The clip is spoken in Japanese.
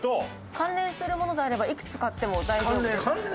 関連するものであればいくつ買っても大丈夫です。